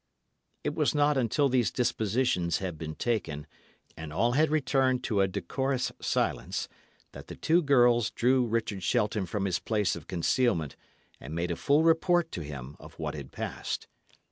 It was not until these dispositions had been taken, and all had returned to a decorous silence, that the two girls drew Richard Shelton from his place of concealment, and made a full report to him of what had passed.